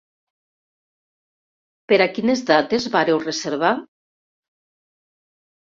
Per a quines dates vàreu reservar?